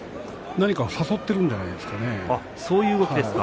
何か誘っているんじゃないですかね。